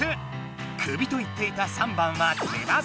首と言っていた３番は手羽先。